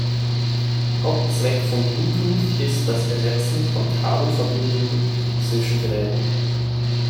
Hauptzweck von Bluetooth ist das Ersetzen von Kabelverbindungen zwischen Geräten.